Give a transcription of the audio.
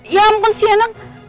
ya ampun si anak